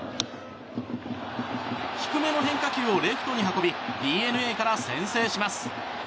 低めの変化球をレフトに運びＤｅＮＡから先制します。